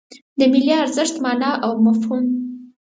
د ملي ارزښت مانا او مفهوم